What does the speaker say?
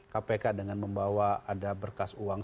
kpk dengan membawa ada berkas uang